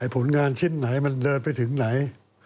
ผลงานชิ้นไหนมันเดินไปถึงไหน